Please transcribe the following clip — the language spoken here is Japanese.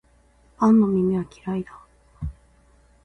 パンの耳は嫌いだ